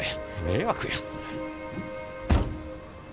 迷惑や。